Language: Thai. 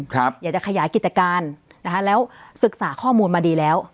อยากจะขยายกิจการนะคะแล้วศึกษาข้อมูลมาดีแล้ว